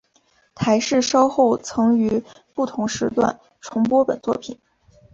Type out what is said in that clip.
台视稍后曾于不同时段重播本作品。